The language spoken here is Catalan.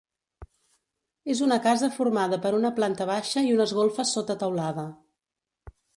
És una casa formada per una planta baixa i unes golfes sota teulada.